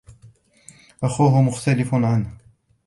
أخوه مختلف عنه.